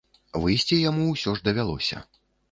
Выйсці яму ўсё ж давялося.